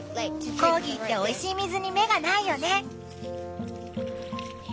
コーギーっておいしい水に目がないよね。